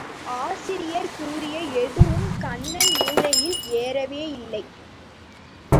ஆசிரியர் கூறிய எதுவும் கண்ணன் மூளையில் ஏறவே இல்லை.